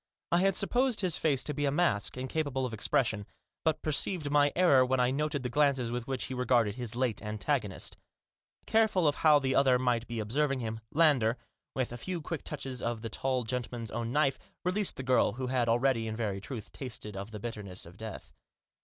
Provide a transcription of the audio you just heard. I had supposed his face to be a mask, incapable of expression, but perceived my error when I noted the glances with which he regarded his late antagonist Careless of how the other might be observing him, Lander, with a few quick touches of the tall gentle man's own knife, released the girl who had already, in very truth, tasted of the bitterness of death.